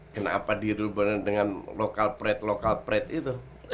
kenapa dirubah dengan lokal prede lokal pret itu